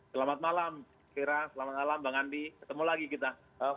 selamat malam kira selamat malam bang andi ketemu lagi kita